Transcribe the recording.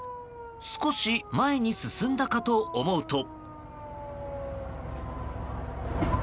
少し前に進んだかと思うと。